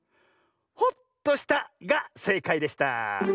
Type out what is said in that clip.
「ホッとした」がせいかいでした。